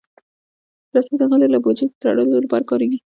رسۍ د غلې له بوجۍ تړلو لپاره کارېږي.